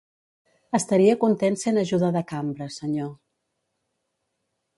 Estaria content sent ajuda de cambra, senyor.